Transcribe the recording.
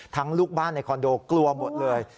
ลูกบ้านในคอนโดกลัวหมดเลย